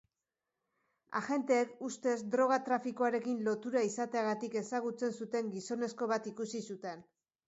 Agenteek ustez droga-trafikoarekin lotura izateagatik ezagutzen zuten gizonezko bat ikusi zuten.